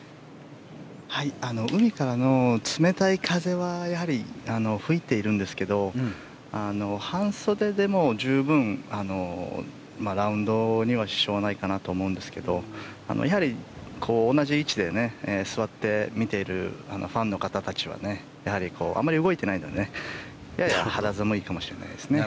海からの冷たい風はやはり吹いているんですけど半袖でも十分ラウンドに支障はないかなと思いますけどやはり、同じ位置で座って見ているファンの方たちは、やはりあまり動いていないのでやや肌寒いかもしれないですね。